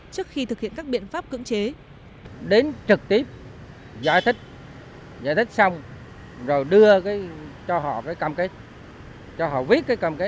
trước khi thực hiện các biện pháp cưỡng chế